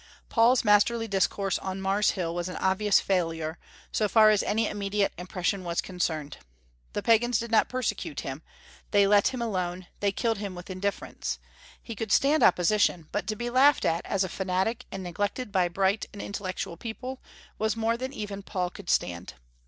Paul's masterly discourse on Mars Hill was an obvious failure, so far as any immediate impression was concerned. The Pagans did not persecute him, they let him alone; they killed him with indifference. He could stand opposition, but to be laughed at as a fanatic and neglected by bright and intellectual people was more than even Paul could stand.